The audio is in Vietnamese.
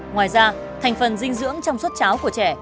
ngoài ra thành phần dinh dưỡng trong suốt cháo của trẻ